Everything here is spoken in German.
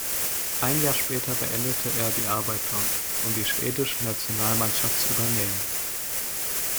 Ein Jahr später beendete er die Arbeit dort, um die schwedische Nationalmannschaft zu übernehmen.